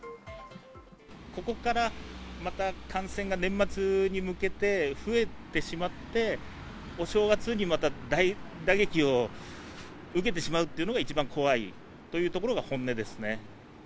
ここからまた感染が年末に向けて増えてしまって、お正月にまた大打撃を受けてしまうっていうのが一番怖いというところが本音ですね。